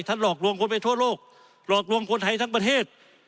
หลอกลวงคนไปทั่วโลกหลอกลวงคนไทยทั้งประเทศ